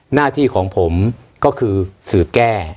หน้าที่ของผมก็คือสืบแก้